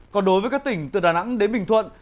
còn đối với các tỉnh từ đà nẵng đến bình thuận